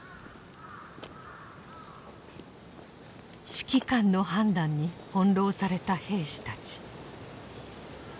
指揮官の判断に翻弄された兵士たち。